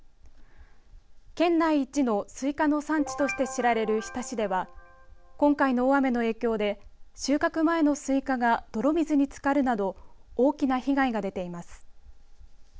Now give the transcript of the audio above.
県内一のすいかの産地として知られる日田市では今回の大雨の影響で収穫前のすいかが泥水につかるなど大きな被害が出ています。